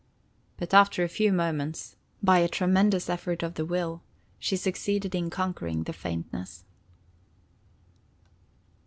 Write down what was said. But after a few moments, by a tremendous effort of the will, she succeeded in conquering the faintness.